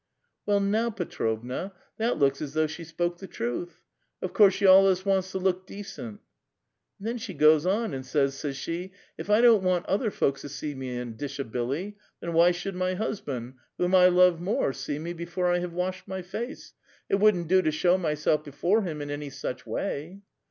" Well now, Petrovna, that looks as though she spoke the truth. Of course, she alius wants to look decent !" ''And then she goes on and says, says she, 'If I don't want other folks to see me in dishabilly, then why should my husband, whom I love more, see me before I have washed my face. It wouldn't do to show mjself before him in any such way.'